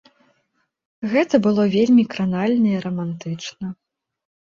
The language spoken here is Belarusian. Гэта было вельмі кранальна і рамантычна.